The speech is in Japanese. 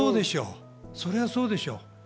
それはそうでしょう。